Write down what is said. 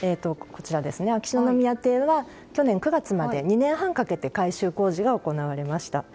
秋篠宮邸は去年９月まで２年半かけて改修工事が行われました。